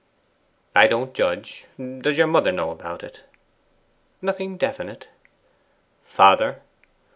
'I don't judge. Does your mother know about it?' 'Nothing definite.' 'Father?